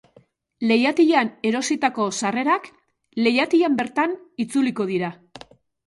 Leihatilan erositako sarrerak leihatilan bertan itzuliko dira.